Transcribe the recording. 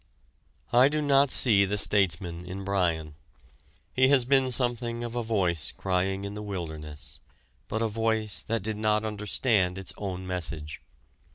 I do not see the statesman in Bryan. He has been something of a voice crying in the wilderness, but a voice that did not understand its own message.